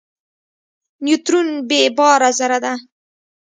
نیوترون بېباره ذره ده.